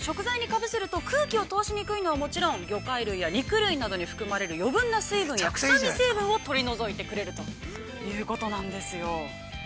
空気を通しにくいのはもちろん、魚介類や、美にいるに含まれる、余分な水分や臭み成分を取り除いてくれるということなんですよ。